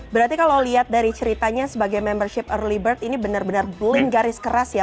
berarti kalau lihat dari ceritanya sebagai membership early bird ini benar benar bling garis keras ya